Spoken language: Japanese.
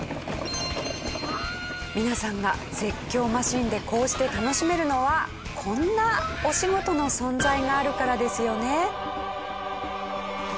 皆さんが絶叫マシンでこうして楽しめるのはこんなお仕事の存在があるからですよね。